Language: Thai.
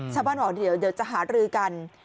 ชาวบ้านบอกเดี๋ยวจะหารือกัน